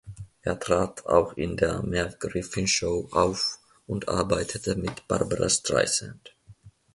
Er trat auch in der "Merv Griffin Show" auf und arbeitete mit Barbra Streisand.